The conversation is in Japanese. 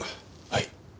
はい。